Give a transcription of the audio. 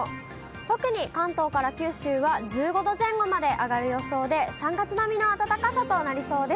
特に関東から九州は、１５度前後まで上がる予想で、３月並みの暖かさとなりそうです。